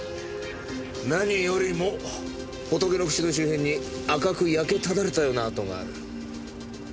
何よりも仏の口の周辺に赤く焼けただれたようなあとがある。